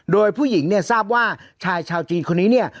โดยผู้หญิงเนี่ยทราบว่าชายชาวจีนคนนี้เนี่ย